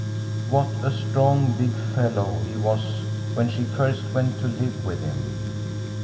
What a strong, big fellow he was when she first went to live with him!